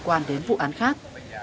quan đến vụ án khác